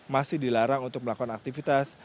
masih dilarang untuk melakukan aktivitas